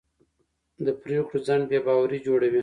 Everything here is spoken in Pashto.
د پرېکړو ځنډ بې باوري جوړوي